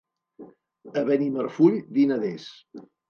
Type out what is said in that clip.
A Benimarfull, vinaders.